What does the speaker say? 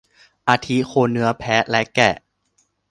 อาทิ โคเนื้อ แพะ และแกะ